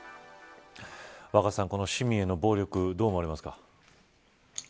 若狭さん、市民への暴力どう思われますか。